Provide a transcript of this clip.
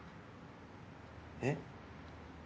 えっ？